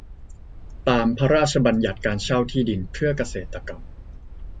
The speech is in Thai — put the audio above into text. ตาม พระราชบัญญัติการเช่าที่ดินเพื่อเกษตรกรรม